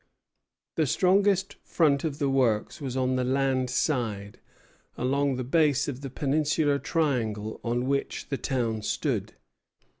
The strongest front of the works was on the land side, along the base of the peninsular triangle on which the town stood.